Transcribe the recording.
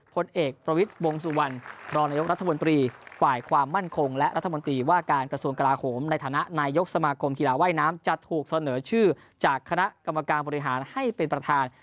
ผลเอกประวิทย์วงสุวรรณรองนายกรัฐมนตรีฝ่ายความมั่นคงและรัฐมนตรีว่าการกระทรวงกลาโหมในฐานะนายกสมาคมกีฬาว่ายน้ำจะถูกเสนอชื่อจากคณะกรรมการบริหารให้เป็นประธาน